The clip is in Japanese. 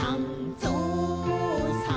「ぞうさん